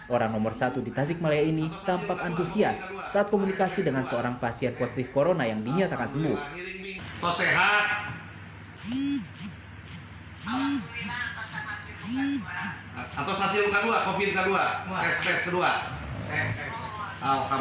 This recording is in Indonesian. orang nomor satu di tasikmalaya ini tampak antusias saat komunikasi dengan seorang pasien positif corona yang dinyatakan sembuh